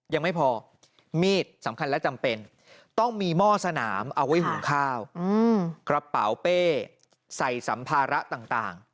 ยังไม่พอมีดสำคัญและจำเป็นต้องมีหม้อสนามเอาไว้หุงข้าวกระเป๋าเป้ใส่สัมภาระต่าง